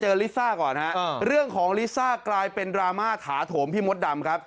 ลิซ่าก่อนฮะเรื่องของลิซ่ากลายเป็นดราม่าถาโถมพี่มดดำครับ